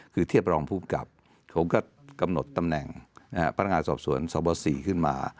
คือเทียบรองภูมิกับผมก็กำหนดตำแหน่งพนักงานสอบสวนสบ๔ขึ้นมา